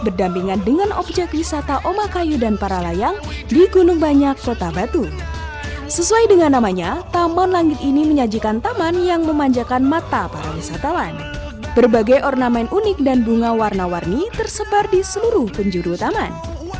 berbagai ornamen unik dan bunga warna warni tersebar di seluruh penjuru taman